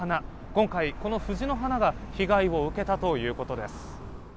今回、この藤の花が被害を受けたということです。